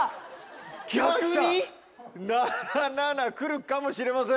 逆に⁉７７来るかもしれません。